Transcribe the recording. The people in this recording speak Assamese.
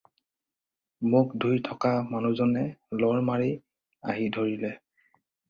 মুখ ধুই থকা মানুহজনে লৰ মাৰি আহি ধৰিলে।